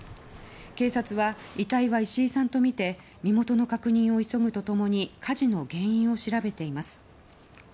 警察は遺体は石井さんとみて身元の確認を急ぐとともに火事の原因を調べています。